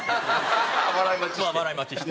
笑い待ちして。